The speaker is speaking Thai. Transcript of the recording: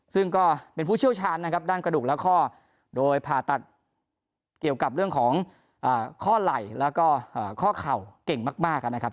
ซึ่งก็เป็นผู้เชี่ยวชาญนะครับด้านกระดูกและข้อโดยผ่าตัดเกี่ยวกับเรื่องของข้อไหล่แล้วก็ข้อเข่าเก่งมากนะครับ